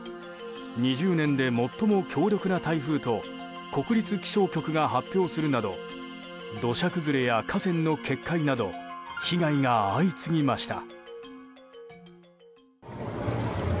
２０年で最も強力な台風と国立気象局が発表するなど土砂崩れや河川の決壊など被害が相次ぎました。